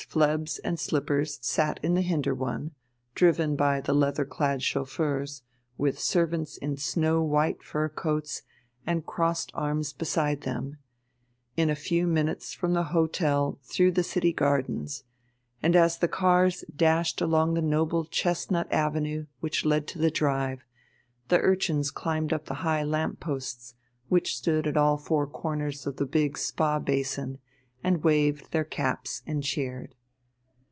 Phlebs and Slippers sat in the hinder one driven by the leather clad chauffeurs, with servants in snow white fur coats and crossed arms beside them, in a few minutes from the hotel through the City Gardens; and as the cars dashed along the noble chestnut avenue which led to the drive, the urchins climbed up the high lamp posts which stood at all four corners of the big spa basin, and waved their caps and cheered....